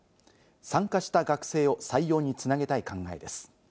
参加した学生を採用に繋げたい考えです。